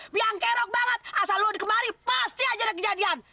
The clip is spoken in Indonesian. biang kerok banget asal lo di kemari pasti aja ada kejadian